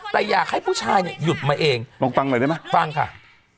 แต่อยากให้ผู้ชายเนี่ยหยุดมาเองลองฟังหน่อยได้ไหมฟังค่ะ